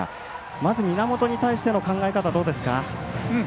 まず、源に対しての考え方はどうでしょうか？